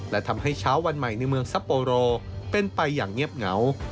และทำให้เช้าวันใหม่ในเมืองซัปโปโรเป็นไปอย่างเงียบเหงา